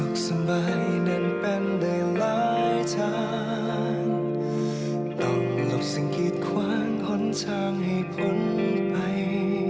ต้องหลบสิ่งหยีดขวางหล่นทางให้พ้นไป